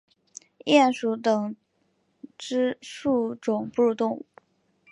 鼹属等之数种哺乳动物。